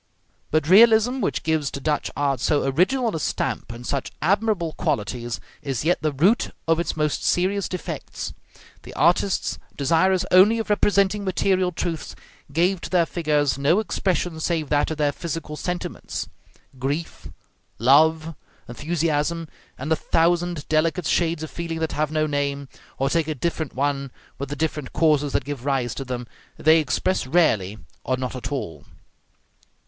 But realism, which gives to Dutch art so original a stamp and such admirable qualities, is yet the root of its most serious defects. The artists, desirous only of representing material truths, gave to their figures no expression save that of their physical sentiments. Grief, love, enthusiasm, and the thousand delicate shades of feeling that have no name, or take a different one with the different causes that give rise to them, they express rarely, or not at all.